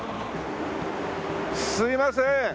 すいません。